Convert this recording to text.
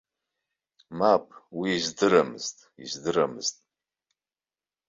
Мап уи издырамызт, издырамызт.